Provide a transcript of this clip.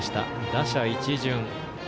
打者一巡。